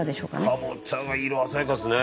かぼちゃが色鮮やかですね！